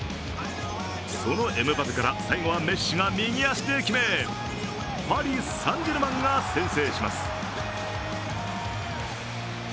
そのエムバペから最後はメッシが右足で決めパリ・サン＝ジェルマンが先制します。